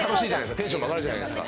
テンション上がるじゃないですか。